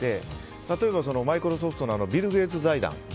例えば、マイクロソフトのビル・ゲイツ財団。